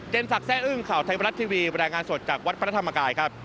สักแร่อึ้งข่าวไทยบรัฐทีวีบรรยายงานสดจากวัดพระธรรมกายครับ